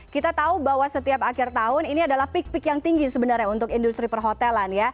kita tahu bahwa setiap akhir tahun ini adalah pik pik yang tinggi sebenarnya untuk industri perhotelan ya